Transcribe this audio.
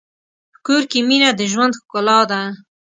په کور کې مینه د ژوند ښکلا ده.